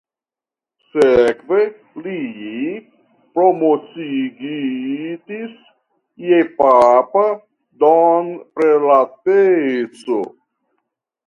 Sekve li promociigitis je papa domprelateco.